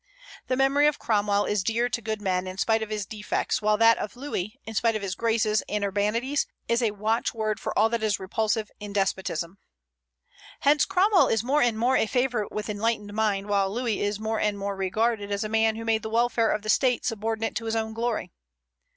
The memory of Cromwell is dear to good men in spite of his defects; while that of Louis, in spite of his graces and urbanities, is a watchword for all that is repulsive in despotism. Hence Cromwell is more and more a favorite with enlightened minds, while Louis is more and more regarded as a man who made the welfare of the State subordinate to his own glory.